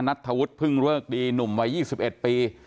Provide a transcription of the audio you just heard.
นัทธวุทธภึงเริ่กดีหนุ่มวัยยี่สิบเอ็ดปี